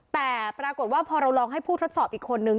แต่ปรากฏว่าพอเราลองให้ผู้ทดสอบอีกคนนึง